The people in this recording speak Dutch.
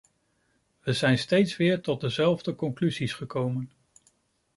We zijn steeds weer tot dezelfde conclusies gekomen.